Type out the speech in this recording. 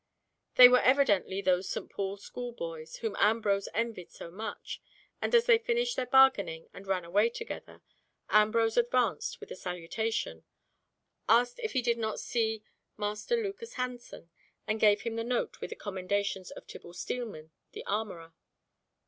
They were evidently those St. Paul's School boys whom Ambrose envied so much, and as they finished their bargaining and ran away together, Ambrose advanced with a salutation, asked if he did not see Master Lucas Hansen, and gave him the note with the commendations of Tibble Steelman the armourer.